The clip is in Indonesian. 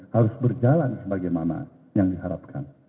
harus berjalan sebagaimana yang diharapkan